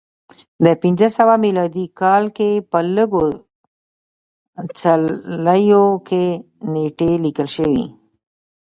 د پنځه سوه میلادي کال کې په لږو څلیو کې نېټې لیکل شوې